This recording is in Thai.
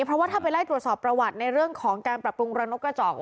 เพราะว่าถ้าไปไล่ตรวจสอบประวัติในเรื่องของการปรับปรุงระนกกระจอก